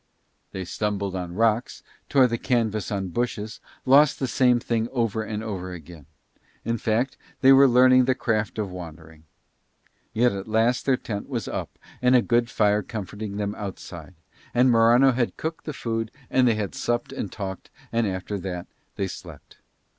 They stumbled on rocks, tore the canvas on bushes, lost the same thing over and over again; in fact they were learning the craft of wandering. Yet at last their tent was up and a good fire comforting them outside, and Morano had cooked the food and they had supped and talked, and after that they slept.